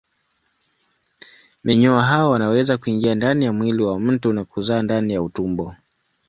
Minyoo hao wanaweza kuingia ndani ya mwili wa mtu na kuzaa ndani ya utumbo.